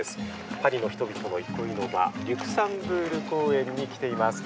パリの人々の憩いの場リュクサンブール公園に来ています。